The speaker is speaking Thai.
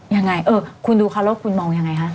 ยังไงเออคุณดูค่ะรถคุณมองยังไงคะ